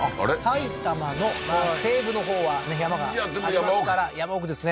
埼玉のまあ西部のほうは山がありますから山奥ですね